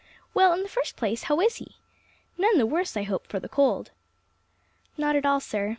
Well, in the first place, how is he? None the worse, I hope, for the cold." "Not at all, sir.